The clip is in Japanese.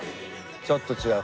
ちょっと違う。